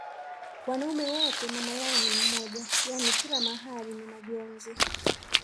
wanaume wote mamayao ni mmoja yani kila mahali ni majonzi